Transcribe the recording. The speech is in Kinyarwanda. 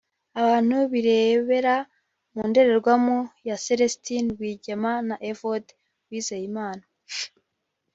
Abantu birebera mu ndorerwamo ya Celestini Rwigema na Evode Uwizeyimana